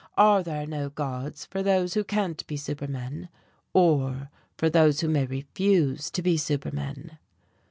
Are there no gods for those who can't be supermen? or for those who may refuse to be supermen?"